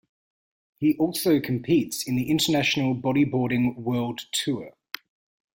He also competes in the international bodyboarding World Tour.